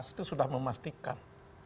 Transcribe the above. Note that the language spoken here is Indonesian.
itu sudah memastikan